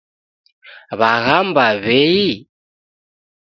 W'aghamba w'ei?